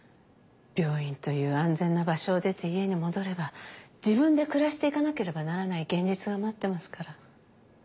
病院という安全な場所を出て家に戻れば自分で暮らしていかなければならない現実が待ってますから。